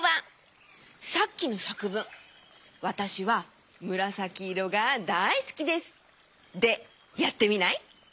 さっきのさくぶん「わたしはむらさきいろがだいすきです」でやってみない？